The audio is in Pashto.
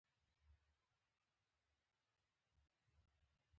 امريکايي ژړل چيغې يې وهلې.